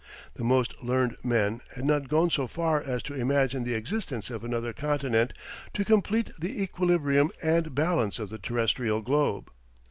The most learned men had not gone so far as to imagine the existence of another continent to complete the equilibrium and balance of the terrestrial globe.